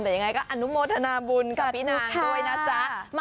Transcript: แต่ยังไงก็อนุโมทนาบุญกับพี่นางด้วยนะจ๊ะ